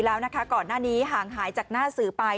แล้วนะคะก่อนหน้านี้ห่างหายจากหน้าสื่อไป